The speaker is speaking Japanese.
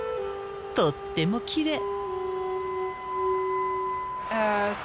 とってもきれい。